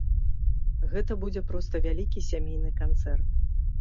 Гэта будзе проста вялікі сямейны канцэрт.